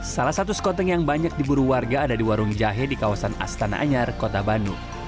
salah satu skoteng yang banyak diburu warga ada di warung jahe di kawasan astana anyar kota bandung